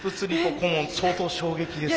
顧問相当衝撃ですね。